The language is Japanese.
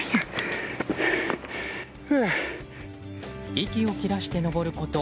息を切らして登ること